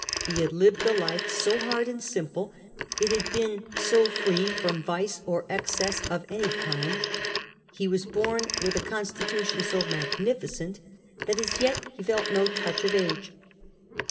Ho had lived a life so hanl <and simple ; it had been so free from vice or excess of any kind ; he was born with a constitution so magnificent^ that as yet he felt no touch of age.